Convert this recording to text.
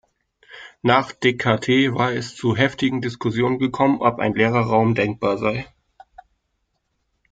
Nach Descartes war es zu heftigen Diskussionen gekommen, ob ein leerer Raum denkbar sei.